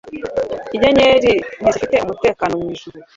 inyenyeri ntizifite umutekano mwijuru